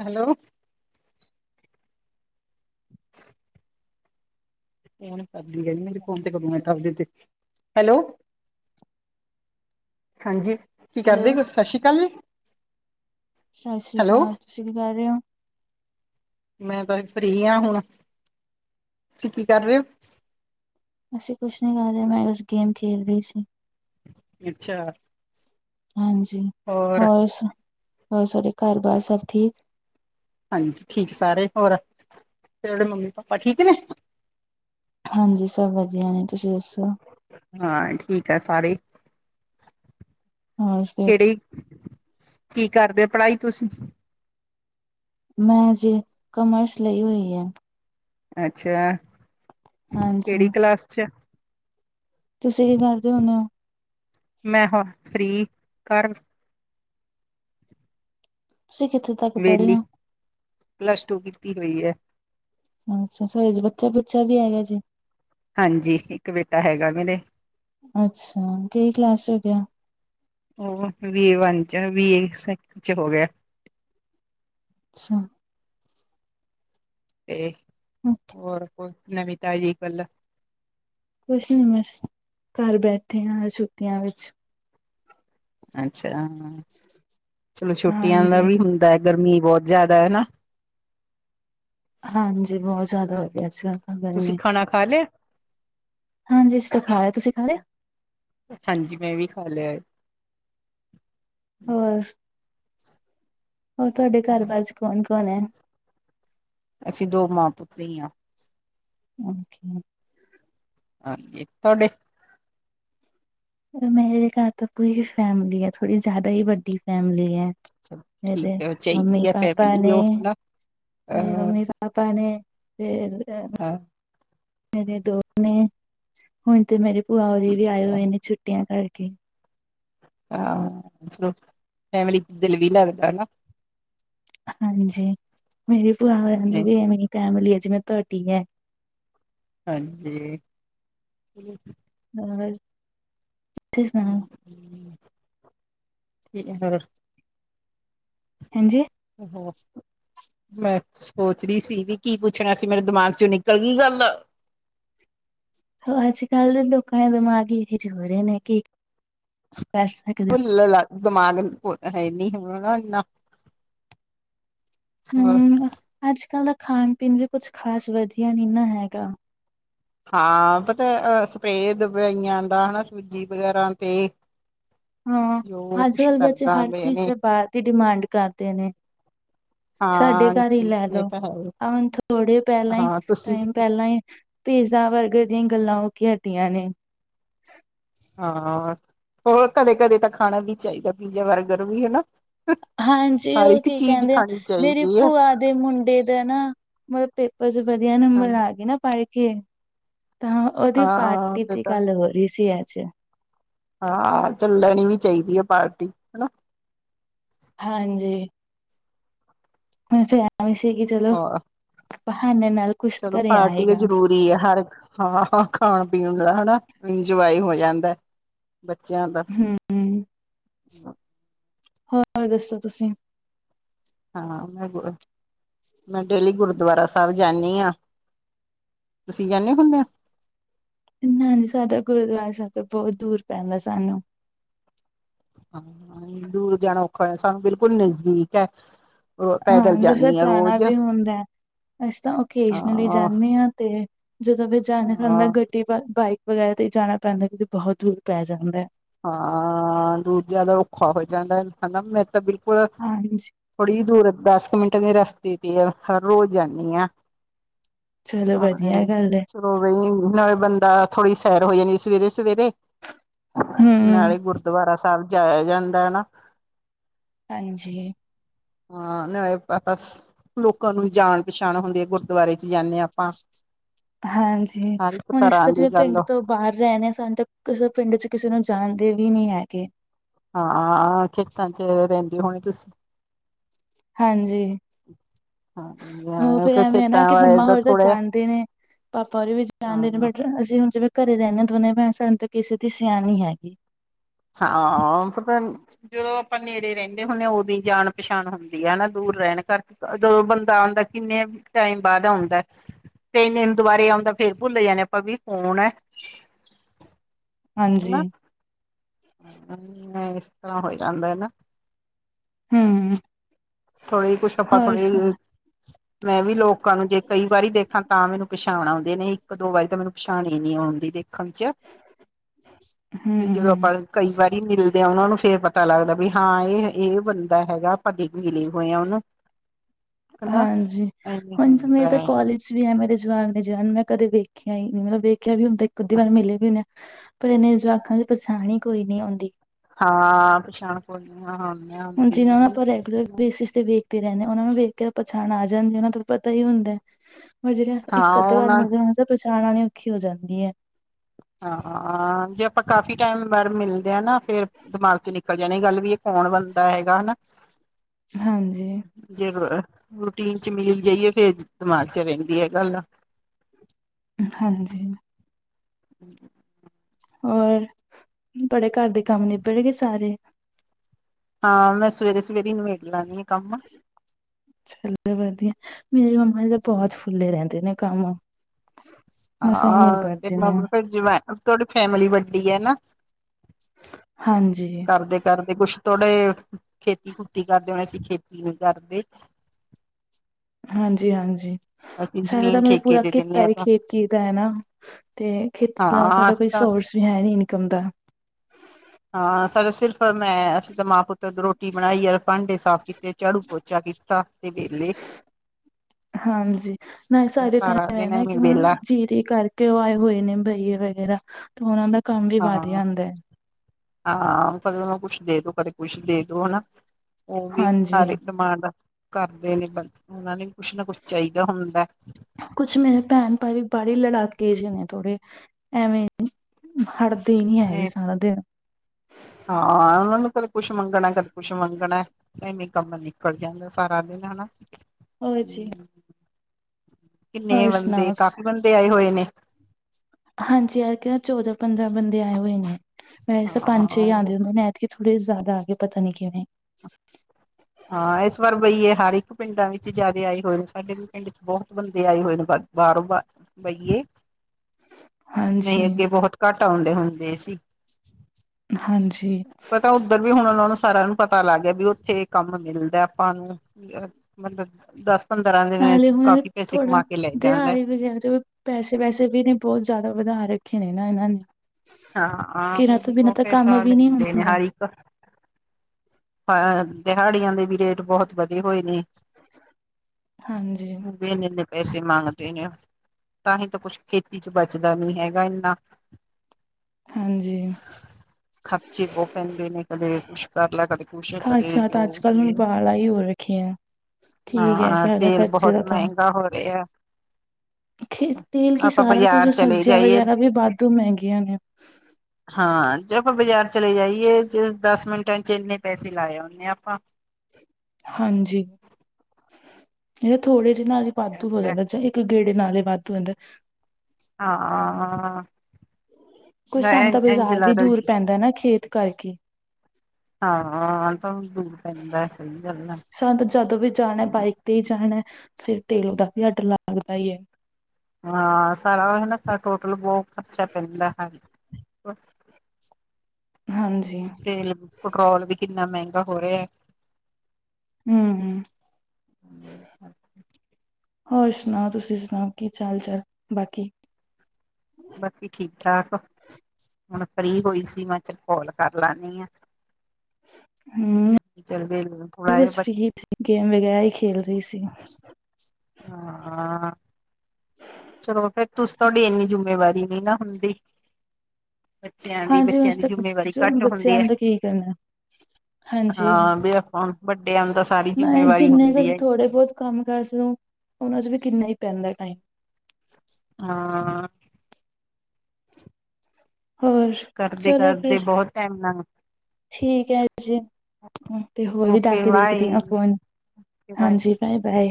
Hello, phone ਕਰਦੀ ਰੈਂਦੀ ਮੇਰੇ ਫੋਨ ਤੇ ਕਦੋਂ ਮੈਂ ਕਰਦੀ ਤੇ ਹੈਲੋ ਹਾਂਜੀ ਕੀ ਕਰਦੇ ਕੁਛ ਸਾਸਰੀ ਕਾਲ। ਸਾਸਰੀ ਕਾਲ ਤੁਸੀਂ ਕੀ ਕਰ ਰਏ ਓਂ। ਮੈਂ ਤਾਂ ਫਰੀ ਆਂ ਹੁਨ, ਤੁਸੀਂ ਕੀ ਕਰ ਰਏ ਓ। ਅਸੀਂ ਕੁਛ ਨੀ ਕਰ ਰਏ ਮੈਂ ਬਸ ਗੇਮ ਖੇਡ ਰਈ ਸੀ। ਅੱਛਾ। ਹਾਂਜੀ ਹੋਰ ਸ, ਹੋਰ ਸਾਰੇੇ ਘਰ ਬਾਰ ਸਬ ਠੀਕ। ਹਾਂਜੀ ਠੀਕ ਸਾਰੇ ਹੋਰ, ਤੇ ਥੋਡੇ ਮੰਮੀ-ਪਾਪਾ ਠੀਕ ਨੇ। ਹਾਂਜੀ ਸਬ ਵਦੀਆ ਨੇ ਤੁਸੀਂ ਦੱਸੋ ਹਾਂ ਠੀਕ ਆ ਸਾਰੇ, ਹੋਰ ਫਿਰ ਕੇੜੀ ਕੀ ਕਰਦੇ ਓਂ ਪੜਾਈ ਤੁਸੀਂ। ਮੈਂ ਜੇ ਕਾਮਰਸ ਲਈ ਹੋਈ ਐ। ਅੱਛੇਆ, ਹਾਂਜੀ ਕੇੜੀ ਕਲਾਸ ਚ ਤੁਸੀਂ ਕੀ ਕਰਦੇ ਹੁੰਨੇ ਓਂ। ਮੈਂ ਹੁਨ ਫਰੀ ਘਰ ਤੁਸੀਂ ਕਿੱਥੇ ਤੱਕ ਪੜ੍ਹੇ ਵੇਲੀ, ਹੋ ਪਲੱਸ ਟੂ ਕੀਤੀ ਹੋਈ ਐ। ਅੱਛਾ ਸ ਬੱਚਾ ਬੁੱਚਾ ਵੀ ਹੈਗਾ ਜੀ। ਹਾਂਜੀ ਇੱਕ ਬੇਟਾ ਹੈਗਾ ਮੇਰੇ। ਅੱਛਾ ਕੇੜੀ ਕਲਾਸ ਚ ਹੋ ਗੇਆ। ਓਹੋ ਵੀਏ ਵੰਨ ਚ ਵੀ ਏ ਇਕ ਸੈਕਿੰਡ ਚ ਹੋ ਗੇਆ। ਅੱਛਾ। ਤੇ ਹੋਰ ਕੋਈ ਨਵੀਂ ਤਾਜ਼ੀ ਗੱਲ ਕੁਛ ਨੀ ਬਸ ਘਰ ਬੈਠੇ ਆਂ ਛੁੱਟੀਆਂ ਵਿੱਚ। ਅੱਛਾ, ਚਲੋ ਛੁੱਟੀਆਂ ਦਾ ਹਾਂਜੀ ਵੀ ਹੁੰਦਾ ਗਰਮੀ ਬੋਤ ਜਾਦਾ ਨਾ। ਹਾਂਜੀ ਬਹੁ ਜਾਦਾ ਹੋ ਰੀਆ ਅੱਜ ਤਾਂ। ਤੁਸੀਂ ਗਰਮੀ ਖਾਨਾ ਖਾ ਲੇਆ। ਹਾਂਜੀ ਅਸੀਂ ਤਾਂ ਖਾ ਆਏ ਤੁਸੀਂ ਖਾ ਲੇਆ। ਹਾਂਜੀ ਮੈਂ ਵੀ ਖਾ ਲੇਆ ਏ। ਹੋਰ ਹੋਰ ਤੁਆਡੇ ਘਰ ਬਾਰ ਚ ਕੌਨ-ਕੌਨ ਐ। ਅਸੀਂ ਦੋ ਮਾਂ ਪੁੱਤ ਈ ਆਂ। ਓਕੇ। ਹਾਂ ਇ ਤੁਆਡੇ ਮੇਰੇ ਘਰ ਤਾਂ ਪੂਰੀ ਫੈਮਿਲੀ ਐ ਥੋੜੀ ਜਾਦਾ ਈ ਵੱਡੀ ਫੈਮਿਲੀ ਐ। ਠੀਕ ਮੇਰੇ ਹੈ ਚਾਹੀਦੀ ਹੈ ਮੰਮੀ-ਪਾਪਾ ਫੈਮਿਲੀ ਨੇ, ਉਹ ਹਨਾ ਮੇਰੇ ਮੰਮੀ ਹਾਂ ਪਾ ਪਾਪ ਨੇ, ਫੇਰ ਹਾਂ। ਮੇਰੇ ਦੋ ਨੇ ਹੁਣ ਤੇ ਮੇਰੇ ਭੂਆ ਹੋਰੀ ਵੀ ਆਏ ਹਾਂ ਹੋਏ ਨੇ ਛੁੱਟੀਆਂ ਕਰਕੇ। ਆ ਚਲੋ, ਫੈਮਲੀ ਚ ਦਿਲ ਵੀ ਲੱਗਦਾ ਨਾ। ਹਾਂਜੀ ਮੇਰੀ ਭੂਆ ਹਰਾਂ ਦੀ ਹਾਂਜੀ ਵੀ ਐਵੇ ਫੈਮਿਲੀ ਐ ਜਿਵੇਂ ਤੁਆਡੀ ਐ। ਹਾਂਜੀ। ਹੋਰ। ਤੁਸੀਂ ਸੁਣਾਓ ਹੋਰ। ਹੈਂਜੀ। ਹੋ ਮੈਂ ਸੋਚ ਰੀਸੀ ਵੀ ਕੀ ਪੁੱਛਣਾ ਸੀ ਮੇਰੇ ਦਮਾਗ ਚੋਂ ਨਿਕਲ ਗੀ ਗੱਲ। ਅੱਜ ਕੱਲ ਲੋਕਾਂ ਦੇ ਦਮਾਗ ਈ ਇਹੋ ਜੇ ਹੋ ਰੇ ਨੇ ਕਿ ਕਰ ਸਕਦੇ ਫੁੱਲ ਲੇਲਾ। ਦਿਮਾਗ ਹੈ ਨੀ ਹੁਨ ਨਾ ਇਨਾ ਹਮ ਅੱਜ ਕੱਲ ਦਾ ਖਾਨ ਪੀਨ ਵੀ ਕੁਛ ਖ਼ਾਸ ਵਧੀਆ ਨੀ ਨਾ ਹੈਗਾ। ਹਾਂ ਪਤੈ ਅਸਪਰੇ ਦਬਈਆਂ ਦਾ ਹਨਾ ਸੂਜੀ ਵਗੈਰਾ ਤੇ ਹਾਂ ਜੋ ਅੱਜ ਕੁਛ ਕੱਲ ਬੱਚੇ ਕਰਦਾ ਹਰ ਪਏ ਚੀਜ ਨੇ ਤੇ ਬਾਰ ਦੀ ਡਿਮਾਂਡ ਕਰਦੇ ਨੇ। ਸਾਡੇ ਹਾਂ ਘਰ ਈ ਲੈ ਇਹ ਲਓ ਤਾਂ ਹੈ ਅ ਹੁਨ ਥੋੜੇ ਪੈਲਾਂ ਈ ਹਾਂ ਤੁਸੀਂ ਵੀ ਟਾਈਮ ਪੈਲਾਂ ਈ ਪੀਜ਼ਾ ਬਰਗਰ ਦੀਆਂ ਗੱਲਾਂ ਹੋ ਕੇ ਹਟੀਯਾਂ ਨੇ। ਹਾਂ ਥੋੜ ਕਦੇ ਕਦੇ ਤਾਂ ਖਾਣਾ ਵੀ ਚਾਈਦਾ ਪੀਜ਼ਾ ਵਗੈਰਾ ਗਰਮੀ ਏਨਾ। ਹਾਂਜੀ ਓ ਕੀ ਕੈਂਦੇ ਆ, ਮੇਰੀ ਚਾਹੀਦੀ ਹੈ ਭੂਆ ਦੇ ਮੁੰਡੇ ਦੇ ਨਾ ਮ ਪੇਪਰ ਚ ਵਧੀਆ ਹਾਂ ਨੰਬਰ ਆ ਗੇ ਨਾ ਪੜ ਕੇ ਤਾਂ ਓਦੀ ਹਾਂ ਪਾਰਟੀ ਫਿਰ ਦੀ ਤਾਂ ਗੱਲ ਹੋ ਰੀ ਸੀ ਅੱਜ। ਹਾਂ, ਚੱਲੈਣੀ ਵੀ ਚਾਹੀਦੀ ਐ ਪਾਰਟੀ ਹਨਾ। ਹਾਂਜੀ। ਮੈਂ ਕੇਆ ਵਿ ਸੀ ਕੀ ਚਲੋ ਹਾਂ ਬਹਾਨੇ ਨਾਲ ਕੁਛ ਚਲੋ ਘਰੇ ਪਾਰਟੀ ਏ ਆਏਗਾ ਜਰੂਰ ਵੀ ਹਰ ਹਾਂ ਖਾਣ ਪੀਣ ਦਾ ਹਨਾ ਇੰਜੋਏ ਹੋ ਜਾਂਦੈ। ਬੱਚੇਆਂ ਦਾ। ਹੂੰ, ਹੋਰ ਦੱਸੋ ਤੁਸੀ। ਹਾਂ ਮੈਂ ਗੁ ਮੈਂ ਡੇਲੀ ਗੁਰਦੁਆਰਾ ਸਾਬ ਜਾਂਨੀ ਆਂ। ਤੁਸੀ ਜਾਂਨੇ ਹੁੰਨੇ ਓ? ਨਾਜੀ ਸਾਡਾ ਗੁਰਦੁਆਰਾ ਸਾਬ ਤੋ ਬੋਤ ਦੂਰ ਪੈਂਦਾ ਸਾਨੂੰ। ਹਾਂ ਦੂਰ ਜਾਣਾ ਔਖਾ ਹੋ ਜਾ ਸਾਨੂੰ ਬਿਲਕੁਲ ਨਜ਼ਦੀਕ ਐ। ਹਾਂ ਜਿਸਰਾ ਜਾਣਾ ਵੀ ਹੁੰਦਾ ਐ ਅਸੀ ਤਾਂ ਓਕੇਜਨਲੀ ਹਾਂ ਜਾਂਨੇ ਆਂ ਤੇ ਜਦੋਂ ਵੀ ਜਾਨਾ ਹੁੰਦਾ ਹਾਂ ਗੱ ਡੀ ਬਾਈਕ ਵਗੈਰਾ ਤੇਈ ਜਾਨਾ ਪੈਂਦਾ ਕਿਉਕਿ ਬੋਹਤ ਦੂਰ ਪੈ ਜਾਂਦਾ ਐ। ਹਾਂ ਦੁਰ ਜਾਦਾ ਔਖਾ ਹੋ ਜਾਂਦੈ ਹਨਾ ਮੇੈਂ ਤਾਂ ਬਿਲਕੁਲ ਹਾਂਜੀ, ਥੋੜੀ ਦੂਰ ਏ ਦਸ ਕੁ ਮਿੰਟ ਦੇ ਰਸਤੇ ਤੇ ਆ ਹਰ ਰੋਜ਼ ਜਾਂਨੀ ਆਂ। ਚਲੋ ਹਾਂ ਵਧੀਆ ਗੱਲ ਹੈ। ਚਲੋ ਬਈ ਨਾਲੇ ਬੰਦਾ ਥੋੜ੍ਹੀ ਸੈਰ ਹੋ ਜਾਂਨੀ ਸਵੇਰੇ ਸਵੇਰੇ। ਹੂੰ, ਨਾਲੇ ਗੁਰਦੁਆਰਾ ਸਾਬ ਜਾਏਆ ਜਾਂਦਾ ਏ ਨਾ। ਹਾਂਜੀ। ਹਾਂ ਨਾਲੇ ਬ ਬਸ ਲੋਕਾਂ ਨੂੰ ਜਾਣ ਪਛਾਣ ਹੁੰਦੀ ਏ ਗੁਰ ਗੁਰਦੁਆਰੇ ਚ ਜਾਂਨੇ ਆਂ ਆਪਾਂ ਹਰ ਇੱਕ ਤਰਾਂ ਦੀ ਗੱਲ ਘਰ ਰੈਨੇ ਆ ਸਨ ਤਾਂ ਕਿਸੇ ਪਿੰਡ ਚ ਕਿਸੇ ਨੂੰ ਜਾਣਦੇ ਵੀ ਨੀ ਹੈਗੇ। ਹਾਂ ਖੇਤਾਂ ਚ ਰੈਂਦੇ ਹੋਣੇ ਤੁਸੀ। ਹਾਂਜੀ, ਓ ਹਾਂ ਫੇਰ ਫਿਰ ਐਵੇਂ ਐਨਾ ਖੇਤਾਂ ਕਿ ਵਾਲੇ ਮੰਮਾ ਦਾ ਹੋਰ ਤਾਂ ਥੋੜਾ ਜਿਹਾ ਜਾਣਦੇ ਨੇ। ਪਾਪਾ ਵੀ ਜਾਣਦੇ ਨੇ, ਹਾਂ ਬਟ ਅਸੀਂ ਹੁਣ ਜਿਵੇਂ ਘਰੇ ਰਹਿੰਦੇ ਹਾਂ ਦੋਨੇ ਭੈਣ, ਸਾਨੂੰ ਤਾਂ ਕਿਸੇ ਦੀ ਸਿਆਣੀ ਹੈਗੀ। ਹਾਂ ਫ ਫ [unintelligible] ਜਦੋਂ ਆਪਾਂ ਨੇੜੇ ਰਹਿੰਦੇ ਹੁੰਦੇ ਹਾਂ, ਉਦੀ ਜਾਣ ਪਛਾਣ ਹੁੰਦੀ ਆ ਨਾ, ਦੂਰ ਰਹਿਣ ਕਰਕੇ ਜਦੋੋਂ ਬੰਦਾ ਆਉਂਦਾ, ਕਿੰਨੇ ਟਾਈਮ ਬਾਅਦ ਆਉਂਦਾ। ਤੇੈਨੂੰ ਦੁਬਾਰੇ ਆਉਂਦਾ, ਫੇਰ ਭੁੱਲ ਜਾਣੇ, ਆਪਾ ਵੀ ਫੋਨ ਹੈ। ਹਾਂਜੀ ਹਨਾ ਇਸ ਤਰ੍ਹਾਂ ਹੋ ਜਾਂਦਾ ਨਾ। ਹਮ। ਥੋੜੇ ਕੁੱਛ ਆਪਾਂ ਥੋੜੇ, ਮੈਂ ਵੀ ਲੋਕਾਂ ਨੂੰ ਜੇ ਕਈ ਵਾਰੀ ਦੇਖਾਂ ਤਾਂ ਮੈਨੂੰ ਪਛਾਣ ਆਉਂਦੇ ਨੇ, ਇੱਕ ਦੋ ਵਾਰੀ ਤਾਂ ਮੈਨੂੰ ਪਛਾਣ ਹੀ ਨੀ ਆਉਂਦੀ ਦੇ। ਖੰ ਚ ਬੀ ਹੂੰ ਜੜਪਾਈ। ਕਈ ਵਾਰੀ ਮਿਲਦੇ ਆ ਉਹਨਾਂ ਨੂੰ, ਫੇਰ ਪਤਾ ਲੱਗਦਾ ਵੀ ਹਾਂ, ਇਹ ਇਹ ਬੰਦਾ ਹੈਗਾ ਪਦੇ ਮਿਲੇ ਹੋਏ ਆ ਉਹਨਾਂ। ਹਾਂਜੀ, ਹੁਣ ਜਿਵੇਂ ਹੁੰਦਾ ਤਾਂ ਹੈ ਕੋਲਜ ਕੁ ਵੀ ਹੈ, ਮੇਰੇ ਜਵਾਨ ਨੇ, ਜਨ ਮੈਂ ਕਦੇ ਵੇਖਿਆ ਹੀ ਨਹੀਂ, ਮਤਲਬ ਵੇਖਿਆ ਵੀ ਹੁੰਦਾ, ਇੱਕ ਅੱਧੀ ਵਾਰ ਮਿਲੇ ਵੀ ਹੁੰਦੇ ਆ। ਪਰ ਇਹਨੇ ਜ਼ਵਾਕਾਂ ਦੀ ਪਛਾਣ ਹੀ ਕੋਈ ਨੀ ਆਉਂਦੀ। ਹਾਂ ਪਛਾਣਪੋ ਹਾਂ -ਹਾਂ! ਹੁਣ ਜਿਨਾ ਨੂੰ ਆਪਾਂ ਰੈਗੂਲਰ ਬੇਸਿਸ ਵੇਖਦੇ ਰਹਿੰਦੇ, ਉਹਨਾਂ ਨੂੰ ਵੇਖ ਕੇ ਪਛਾਣ ਆ ਜਾਂਦੀ, ਉਹਨਾਂ ਤੋਂ ਪਤਾ ਹੀ ਹੁੰਦਾ ਹੈ। ਮ ਜਿਹੜਾ ਹਾਂ ਇੱਕ ਅੱਧ ਵਾਰ ਉਹਨਾਂ ਮਿਲ ਤਾਂ। ਪਹਿਛਾਣ ਆਣੀ ਔਖੀ ਹੋ ਜਾਂਦੀ ਹੈ ਹਾਂ ਜੇ ਆਪਾਂ ਕਾਫੀ ਟਾਈਮ ਬਾਰ ਮਿਲਦੇ ਹਾਂ ਨਾ ਫੇਰ ਦਿਮਾਗ ਚ ਨਿਕਲ ਜਾਣੀ ਗੱਲ ਵੀ ਇਹ ਕੌਣ ਬੰਦਾ ਹੈਗਾ ਹੈਨਾ। ਹਾਂਜੀ। ਜੇ ਰ ਉ ਰੂਟੀਨ ਚ ਮੀਲ ਜਾਈਏ, ਫੇਰ ਦਿਮਾਗ ਚ ਰਹਿੰਦੀ ਹੈ ਗੱਲ। ਹਾਂਜੀ। ਹਮ ਔਰ ਤੁਹਾਡੇ ਘਰ ਦੇ ਕੰਮ ਨਿਬੜ ਗਏ ਸਾਰੇ? ਹਾਂ ਮੈਂ ਸਵੇਰੇ -ਸਵੇਰੇ ਹੀ ਨਵੇੇੜ ਲੈਂਦੀ ਆ ਕੰਮ। ਚੱਲੋ ਵਧੀਆ, ਮੇਰੀ ਮੰਮਾ ਜੀ ਤਾਂ ਬਹੁਤ ਹਾਂ ਫੁੱਲੇ ਰਹਿੰਦੇ ਨੇ ਕੰਮ ਮਸਾਂ ਹੀ ਨਿਬੜਦੇ ਨੇ। ਜਿਵੇ ਤੁਹਾਡੀ ਫੈਮਿਲੀ ਵੱਡੀ ਹੈ ਨਾ ਹਾਂਜੀ, ਕਰਦੇ- ਕਰਦੇ ਕੁਛ ਥੋਡੇ ਖੇਤੀ -ਖੁਤੀ ਕਰਦੇ ਹੋਣੇ, ਅਸੀਂ ਖੇਤੀ ਵੀ ਕਰਦੇ। ਹਾਂਜੀ- ਹਾਂਜੀ ਅਸੀਂ ਸਾਰਾ ਤਾਂ ਜ਼ਮੀਨ ਮਤਲਬ ਠੇਕੇ ਪੂਰਾ ਦੇ ਦਿੰਦੇ ਕਿੱਤਾ ਹਾਂ ਵੀ ਤਾਂ ਖੇਤੀ ਦਾ ਹੈ ਨਾ। ਤੇ ਖੇਤੀ ਦਾ ਹਾਂ ਸਾਡਾ ਕੋਈ ਅਸੀਂ ਤਾਂ ਸੋਰਸ ਵੀ ਹੈ ਨੀ ਇਨਕਮ ਦਾ। ਹਾਂ ਸਾਡੇ ਸਿਰਫ ਮੈਂ ਅਸੀਂ ਤਾਂ ਮਾਂ ਪੁੱਤ ਰੋਟੀ ਬਣਾਈ ਆ ਭਾਂਡੇ ਸਾਫ਼ ਕੀਤੇ, ਝਾੜੂ ਪੋਚਾ ਕੀਤਾ ਤੇ ਵਿਹਲੇ। ਹਾਂਜੀ, ਨਾ ਸਾਰੇ ਤਾਂ ਸਾਰਾ ਦਿਨ ਨਾ ਐਵੇਂ ਕਿ ਹੁਣ ਵੇਲਾ ਜੀਂਦੇ ਕਰ ਤੇ ਉਹ ਆਏ ਹੋਏ ਨੇ ਬਈਏ ਵਗੈਰਾ, ਤੇ ਉਹਨਾਂ ਦਾ ਕੰਮ ਵੀ ਵੱਧ ਹਾਂ- ਜਾਂਦਾ ਹੈ ਹਾਂ, ਕਦੇ ਉਹਨੂੰ ਕੁਛ ਦੇ ਦੋ ਕਦੇ ਕੁਛ ਦੇ ਦੋ ਹੈਨਾ, ਉਹ ਵੀ ਹਾਂਜੀ। ਹਾਰੇ ਡਿਮਾਂਡ ਕਰਦੇ ਨੇ, ਬ ਉਹਨਾਂ ਨੇ ਵੀ ਕੁਛ ਨਾ ਕੁਛ ਚਾਹੀਦਾ ਹੁੰਦਾ। ਕੁਛ ਮੇਰੇ ਭੈਣ ਭਾਈ ਵੀ ਬਾਹੜੀ ਲੜਾਕੇ ਜੇ ਨੇ ਥੋੜੇ, ਐਵੇਂ ਹਟਦੇ ਨੀ ਹੈਗੇ ਸਾਰਾ ਦਿਨ। ਹਾਂ ਉਹਨਾਂ ਨੂੰ ਕਦੇ ਕੁੱਛ ਮੰਗਣਾ ਕਦੇ ਕੁੱਛ ਮੰਗਣੈ। ਐਵੇਂ ਕੰਮ ਨਿਕਲ ਜਾਂਦਾ ਸਾਰਾ ਦਿਨ ਹੈਨਾ। ਹੋਰ ਜੀ। ਕਿੰਨੇ ਹੋਰ ਬੰਦੇ ਸੁਣਾਓ? ਕਾਫੀ ਬੰਦੇ ਆਏ ਹੋਏ ਨੇ? ਹਾਂਜੀ ਅੱਜ ਕਲ ਚੌਦਾਂ ਪੰਦਰਾਂ ਬੰਦੇ ਆਏ ਹੋਏ ਨੇ, ਵੈਸੇ ਤਾਂ ਪੰਜ ਛੇ ਈ ਹਾਂ ਆਉਂਦੇ ਹੁੰਦੇ ਨੇ ਐਤਕੀ ਏ ਥੋੜੇ ਜੇ ਜ਼ਿਆਦਾ ਆ ਗਏ ਪਤਾ ਨੀ ਕਿਵੇਂ? ਹਾਂ ਇਸ ਵਾਰ ਬਈਏ ਹਰ ਇੱਕ ਪਿੰਡਾਂ ਵਿੱਚ ਜਿਆਦੇ ਆਏ ਹੋਏ ਨੇ ਸਾਡੇ ਪਿੰਡ ਚ ਬਹੁਤ ਬੰਦੇ ਆਏ ਹੋਏ ਨੇ ਬਾਹ ਬਾਰੋਂ ਬਈਏ। [inaudible] ਨਹੀਂ ਅੱਗੇ ਬਹੁਤ ਘੱਟ ਆਉਂਦੇ ਹੁੰਦੇ ਸੀ, ਹਾਂਜੀ ਪਤਾ ਉ ਉੱਧਰ ਵੀ ਹੁਣ ਉਹਨਾਂ ਨੂੰ ਸਾਰਿਆਂ ਨੂੰ ਪਤਾ ਲੱਗ ਗਿਆ ਵੀ ਉੱਥੇ ਕੰਮ ਮਿਲਦਾ ਆਪਾਂ ਨੂੰ, ਮਤਲਬ ਦੱਸ ਨਾਲੇ ਉਹਨਾਂ ਨੇ ਥੋੜਾ ਜਾਂਦਾ ਦਿਹਾੜੀ ਵਗੈਰਾ ਜੋ ਪੈਸੇ ਵੈਸੇ ਵੀ ਨੇ ਬਹੁਤ ਜ਼ਿਆਦਾ ਵਧਾ ਰੱਖੇ ਨੇ ਨਾ ਇਹਨਾਂ ਨੇ। ਹਾਂ ਹਾਂ ਕਿਨਾਂ ਉਹ ਵੀ ਤੋਂ ਬਿਨਾਂ ਬਹੁਤ ਤਾਂ ਕੰਮ ਪੈਸਾ ਵੀ ਨਹੀਂ ਲੈਂਦੇ ਨੇ ਹੁੰਦਾ। ਹਰ ਇੱਕ ਪ ਦਿਹਾੜੀਆਂ ਦੇ ਵੀ ਰੇਟ ਬਹੁਤ ਵਧੇ ਹੋਏ ਨੇ। ਹਾਂਜੀ, ਵੀ ਇਨੇ ਇਨੇਂ ਪੈਸੇ ਮੰਗਦੇ ਨੇ ਉਹ ਤਾਂ ਹੀ ਤਾਂ ਕੁਛ ਖੇਤੀ ਚ ਬਚਦਾ ਨੀ ਹੈਗਾ ਇੰਨਾ ਹਾਂਜੀ ਖਰਚੇ ਬਹੁ ਪੈਂਦੇ ਨੇ ਕਦੇ ਕੁਛ ਕਰਲਾ ਕਦੇ ਕੁਛ ਕਦੇ ਖਰਚਾ ਤਾਂ ਜੋ ਅੱਜ ਕੱਲ੍ਹ ਹੁਣ ਵੀ ਬਾਲਾ ਈ ਹੋ ਰੱਖਿਆਂ ਠੀਕ ਐ ਸਾਰੇ ਤੇਲ ਖਰਚੇ ਬਹੁਤ ਦਾ ਤਾਂ। ਹਾਂ ਮਹਿੰਗਾ ਹੋ ਰਿਹਾ ਐ, ਖੇਤੀ ਕੀ ਸਾਰਾ ਕੁਝ ਬਾਜ਼ਾਰ ਚਲੇ ਸਬਜ਼ੀਆਂ ਜਾਈਏ ਵਗੈਰਾ ਵੀ ਵਾਧੂ ਮਹਿੰਗੀਆਂ ਨੇ, ਹਾਂ ਜੇ ਆਪਾਂ ਬਾਜ਼ਾਰ ਚਲੇ ਜਾਈਏ ਦਸ ਮਿੰਟਾਂ ਚ ਇੰਨੇ ਪੈਸੇ ਲਾ ਆਉਨੇ ਆ ਆਪਾਂ ਹਾਂਜੀ, ਇਹ ਤਾਂ ਥੋੜੇ ਜਿਹੇ ਨਾਲ ਹੀ ਵਾਧੂ ਹੋ ਜਾਂਦਾ ਚਾਹੇ ਇੱਕ ਗੇੜੇ ਨਾਲੇ ਵਾਧੂ ਹੁੰਦਾ। [inaudible] ਕੋਈ ਹਾਂ ਸਾਨੂੰ ਤਾ ਇੰਝ ਬਾਜ਼ਾਰ ਵੀ ਲੱਗਦਾ ਦੂਰ ਪੈਂਦਾ ਨਾ ਖੇਤ ਕਰਕੇ ਹਾਂ ਤਾਂ ਦੂਰ ਪੈਂਦਾ ਸਹੀ ਗੱਲ ਐ। ਸਾਨੂੰ ਤਾ ਜਦੋਂ ਵੀ ਜਾਣਾ ਬਾਈਕ ਤੇ ਈ ਜਾਣਾ, ਫੇਰ ਤੇਲੋਂ ਦਾ ਵੀ ਸਾਡਾ ਲੱਗਦਾ ਈ ਐ। ਹਾਂ ਸਾਰਾ ਨਾ ਟੋਟਲ ਬਹੁਤ ਖਰਚਾ ਪੈਂਦਾ ਐ। ਹਾਂਜੀ, ਤੇਲ ਪੈਟਰੋਲ ਵੀ ਕਿੰਨਾ ਮਹਿੰਗਾ ਹੋ ਰਿਆ। ਹਮ ਹੂੰ, ਹੋਰ ਸੁਣਾਓ? ਤੁਸੀਂ ਸੁਣਾਓ? ਕੀ ਚਾਲ ਚਾਲ ਬਾਕੀ ਬਾਕੀ ਠੀਕ ਠਾਕ, ਹੁਣ ਫ੍ਰੀ ਹੋਈ ਸੀ ਮੈਂ ਚਲ ਕਾਲ ਕਰ ਲੈਂਨੀ ਆ। ਚਲ ਬਿਲਕੁਲ ਮ ਬਸ ਫ੍ਰੀ ਗੇਮ ਵਗੈਰਾ ਈ ਖੇਲ ਰੀ ਸੀ। ਹਾਂ ਹਾਂ, ਚਲੋ ਫੇਰ ਤੁਸੀਂ ਤੁਹਾਡੀ ਇੰਨੀ ਜਿੰਮੇਵਾਰੀ ਨੀ ਨਾ ਹੁੰਦੀ। ਬੱਚਿਆਂ ਦੀ ਹਾਂਜੀ ਬੱਚਿਆਂ ਉਸ ਦੀ ਤੱਕ ਜਿੰਮੇਵਾਰੀ ਜੋ ਘੱਟ ਹੁੰਦੀ ਬੱਚਿਆਂ ਐ। ਦਾ ਕੀ ਕਰਨਾ ਹਾਂਜੀ ਹਾਂ ਵੀ ਆਪਾ ਨੂੰ ਵੱਡੇ ਨੂੰ ਤਾ ਸਾਰੀ ਮੈਂ ਜਿੰਮੇਵਾਰੀ ਜਿੰਨੇ ਕੁ ਹੁੰਦੀ ਐ। ਥੋੜੇ ਬਹੁਤ ਕੰਮ ਕਰ ਸਕੋ, ਉਹਨਾਂ ਚ ਵੀ ਕਿੰਨਾ ਈ ਪੈਂਦਾ ਟਾਈਮ ਹਾਂ, ਹੋਰ ਚਲੋ ਕਰਦੇ-ਕਰਦੇ ਫਿਰ ਬੋਤ ਟੈਮ ਨਾਲ ਠੀਕ ਐ ਜੇ ਤੇ ਹੋਰ ਵੀ ਡਾ ਓਕੇ ਕੇ ਦੇਖਦੀ ਬਾਏ ਆ ਓਕੇ ਫੋਨ। ਬਾਏ ਹਾਂਜੀ ਬਾਈ ਬਾਏ।